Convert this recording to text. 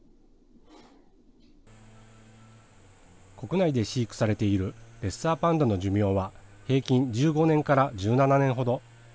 国内で飼育されているレッサーパンダの寿命は平均１５年から１７年程。